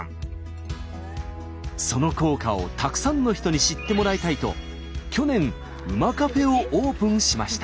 その効果をたくさんの人に知ってもらいたいと去年馬カフェをオープンしました。